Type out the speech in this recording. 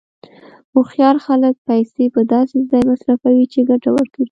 هوښیار خلک پیسې په داسې ځای مصرفوي چې ګټه ورکړي.